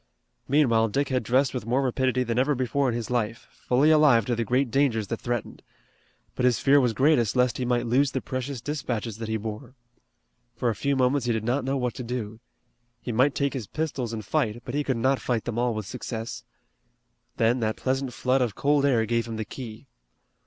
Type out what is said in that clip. Meanwhile Dick had dressed with more rapidity than ever before in his life, fully alive to the great dangers that threatened. But his fear was greatest lest he might lose the precious dispatches that he bore. For a few moments he did not know what to do. He might take his pistols and fight, but he could not fight them all with success. Then that pleasant flood of cold air gave him the key.